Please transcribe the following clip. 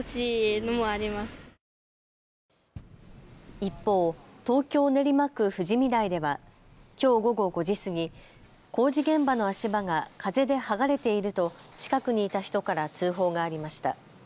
一方、東京練馬区富士見台ではきょう午後５時過ぎ、工事現場の足場が風で剥がれていると近くにいた人から通報がありました。